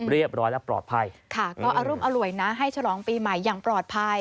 เรียบร้อยและปลอดภัยค่ะก็อรุมอร่วยนะให้ฉลองปีใหม่อย่างปลอดภัย